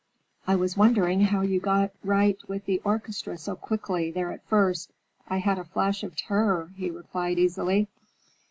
"I was wondering how you got right with the orchestra so quickly, there at first. I had a flash of terror," he replied easily.